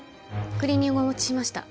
クリーニングをお持ちしました。